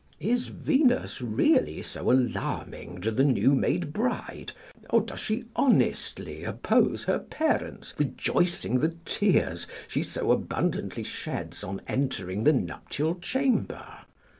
["Is Venus really so alarming to the new made bride, or does she honestly oppose her parent's rejoicing the tears she so abundantly sheds on entering the nuptial chamber?